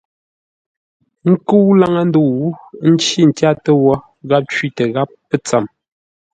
Nkə́u laŋə́-ndə̂u ə́ ncí tyátə́ wó, gháp cwítə gháp pə́tsəm.